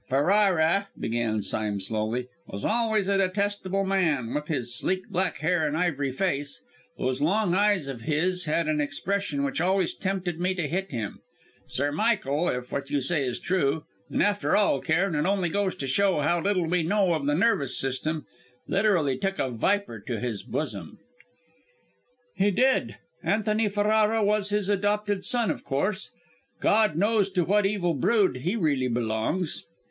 "Ferrara," began Sime slowly, "was always a detestable man, with his sleek black hair, and ivory face. Those long eyes of his had an expression which always tempted me to hit him. Sir Michael, if what you say is true and after all, Cairn, it only goes to show how little we know of the nervous system literally took a viper to his bosom." "He did. Antony Ferrara was his adopted son, of course; God knows to what evil brood he really belongs."